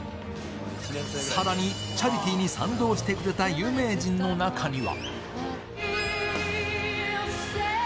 さらに、チャリティーに賛同してくれた有名人の中には。